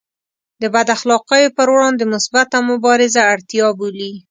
د بد اخلاقیو پر وړاندې مثبته مبارزه اړتیا بولي.